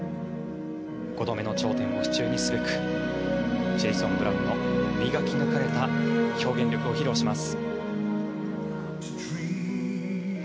５度目の頂点を手中にすべくジェイソン・ブラウンの磨き抜かれた表現力を披露します。